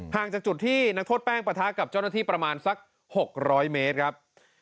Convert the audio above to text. จากจุดที่นักโทษแป้งประทะกับเจ้าหน้าที่ประมาณสัก๖๐๐เมตรครับ